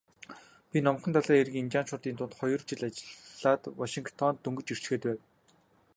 Би Номхон далайн эргийн индианчуудын дунд хоёр жил ажиллаад Вашингтонд дөнгөж ирчхээд байв.